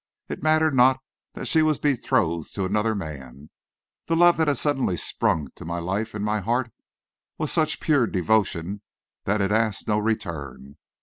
It mattered not that she was betrothed to another man; the love that had suddenly sprung to life in my heart was such pure devotion that it asked no return.